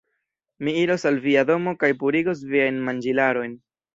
Mi iros al via domo kaj purigos viajn manĝilarojn